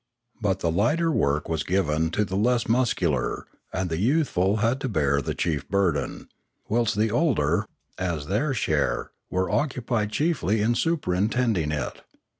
But the lighter work was given to the less muscular, and the youthful had to bear the chief bur den; whilst the older, as their share, were occupied chiefly in superintending it.